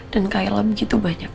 dan kaila begitu banyak